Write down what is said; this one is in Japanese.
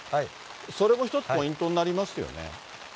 それも一つポイントになりますよ